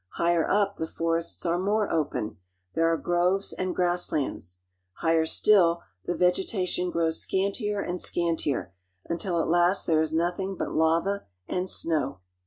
Higher up, the forests are more open; there are groves and grasslands. Higher still, the vegeta tion grows scantier and scantier, until at last there is noth ing but lava and snow.